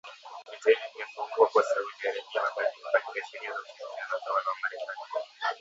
Vita hivi vimefungua kwa Saudi Arabia mabadiliko katika sheria za ushirikiano na utawala wa Marekani.